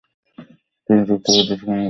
তিনি যুক্ত প্রদেশ কংগ্রেস কমিটির সম্পাদক হন।